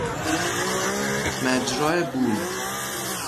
مجرا بول